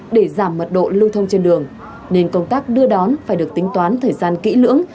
để giảm mật độ lưu thông trên đường nên công tác đưa đón phải được tính toán thời gian kỹ lưỡng